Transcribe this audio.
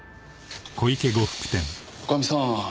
女将さん